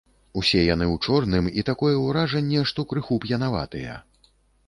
Яны ўсе ў чорным, і такое ўражанне, што крыху п'янаватыя.